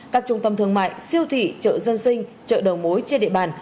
các trung tâm thương mại siêu thị chợ dân sinh chợ đầu mối trên địa bàn